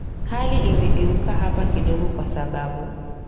hali imegeuka hapa kidogo kwa sababu